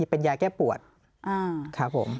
เป็นยาแก้ปวดครับผม